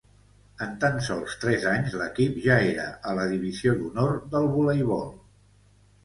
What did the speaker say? En tan sols tres anys l’equip ja era a la Divisió d’Honor del Voleibol.